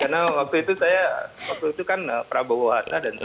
karena waktu itu saya waktu itu kan prabowo hatta dan saya